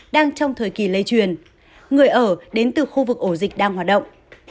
đang trong thời kỳ lây truyền người ở đến từ khu vực ổ dịch đang hoạt động